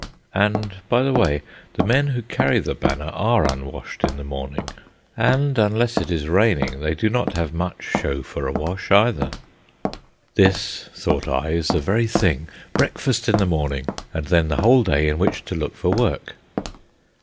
(And, by the way, the men who carry the banner are unwashed in the morning, and unless it is raining they do not have much show for a wash, either.) This, thought I, is the very thing—breakfast in the morning, and then the whole day in which to look for work.